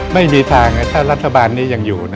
ไม่มีทางถ้ารัฐบาลนี้ยังอยู่